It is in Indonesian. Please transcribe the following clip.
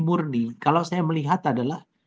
murni kalau saya melihat adalah